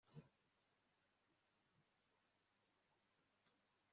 kuki se uyu yasengeraga abandi bagakira nyamara we akaba atisengeye